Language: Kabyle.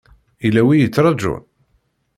Yella wi y-ittrajun?